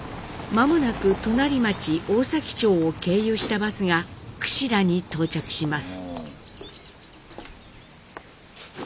間もなく隣町大崎町を経由したバスが串良に到着します。